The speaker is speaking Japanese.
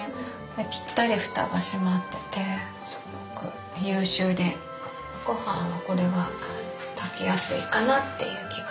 ぴったり蓋が閉まっててすごく優秀でごはんはこれが炊きやすいかなっていう気がします。